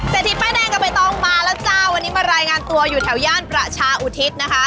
ทีป้ายแดงกับใบตองมาแล้วจ้าวันนี้มารายงานตัวอยู่แถวย่านประชาอุทิศนะคะ